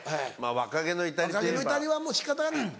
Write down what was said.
若気の至りはもう仕方がない。